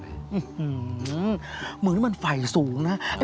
อื้อฮือมึงนี่มันไฝ่สูงนะ